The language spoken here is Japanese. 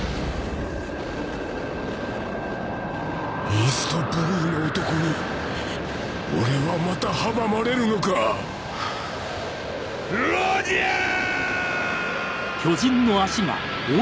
イーストブルーの男に俺はまた阻まれるのかロジャーッ！